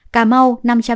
cà mau năm trăm sáu mươi năm